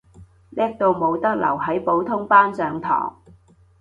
叻到冇得留喺普通班上堂